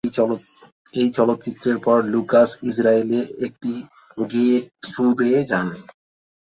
এই চলচ্চিত্রের পর লুকাস ইসরায়েলে একটি গে ট্যুরে যান।